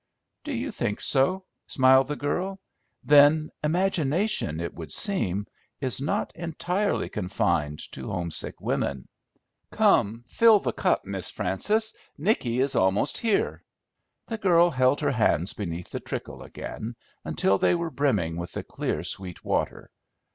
"Do you think so?" smiled the girl. "Then imagination, it would seem, is not entirely confined to homesick women." "Come, fill the cup, Miss Frances! Nicky is almost here." The girl held her hands beneath the trickle again, until they were brimming with the clear sweet water.